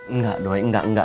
enggak doi enggak enggak